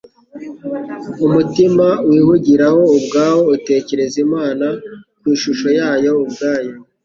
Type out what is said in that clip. Umutima wihugiraho ubwawo utekereza Imana ku ishusho yawo ubwawo.